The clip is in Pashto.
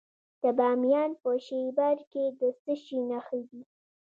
د بامیان په شیبر کې د څه شي نښې دي؟